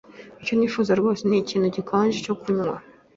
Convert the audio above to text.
Icyo nifuza rwose ni ikintu gikonje cyo kunywa.